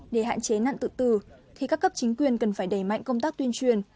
hệ lụy các vụ tự tử thì các cấp chính quyền cần phải đẩy mạnh công tác tuyên truyền